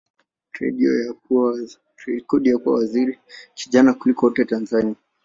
rekodi ya kuwa waziri kijana kuliko wote Tanzania.